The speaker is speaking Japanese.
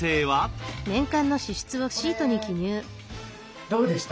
これどうでした？